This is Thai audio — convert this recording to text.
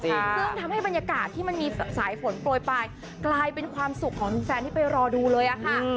ซึ่งทำให้บรรยากาศที่มันมีสายฝนโปรยปลายกลายเป็นความสุขของแฟนที่ไปรอดูเลยอะค่ะ